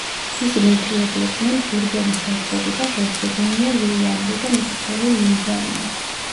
მისი ნათლიები იყვნენ ბურბონის ჰერცოგი და ჰერცოგინია ლუი ანრი და მისი ცოლი ლუიზა ანა.